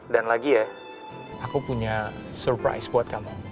dan lagi ya aku punya surprise buat kamu